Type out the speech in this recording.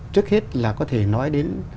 trước hết là có thể nói đến